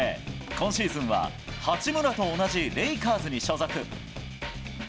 今シーズンは八村と同じレイカーズに所属。